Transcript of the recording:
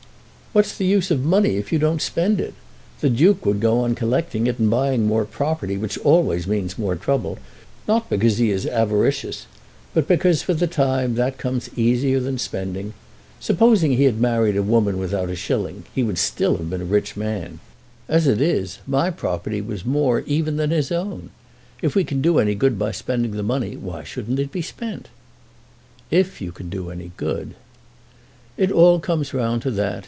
"What's the use of money if you don't spend it? The Duke would go on collecting it and buying more property, which always means more trouble, not because he is avaricious, but because for the time that comes easier than spending. Supposing he had married a woman without a shilling, he would still have been a rich man. As it is, my property was more even than his own. If we can do any good by spending the money, why shouldn't it be spent?" "If you can do any good!" "It all comes round to that.